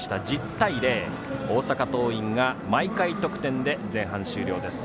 １０対０、大阪桐蔭が毎回得点で前半終了です。